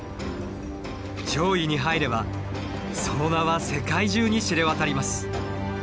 上位に入ればその名は世界中に知れ渡ります。